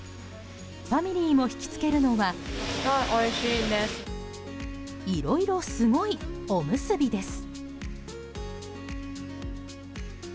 ファミリーも引きつけるのはいろいろすごい、おむすびです。